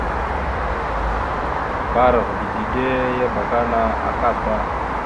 « Bba arav ge dide ya abakana akada! ».